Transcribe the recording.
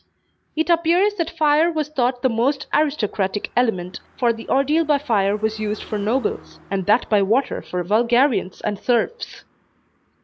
It appears that fire was thought the most aristocratic element, for the ordeal by fire was used for nobles, and that by water for vulgarians and serfs.